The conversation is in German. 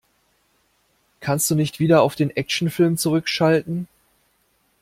Kannst du nicht wieder auf den Actionfilm zurückschalten?